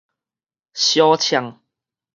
相唱